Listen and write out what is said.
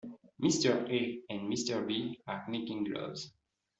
Mr A and Mr B are knitting gloves.